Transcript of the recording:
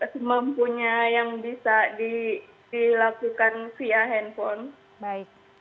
semampunya yang bisa dilakukan via handphone